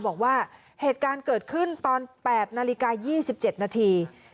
บอกว่าเหตุการณ์เกิดขึ้นตอน๘นาฬิกา๒๗นาที